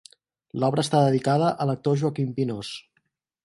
L'obra està dedicada a l'actor Joaquim Pinós.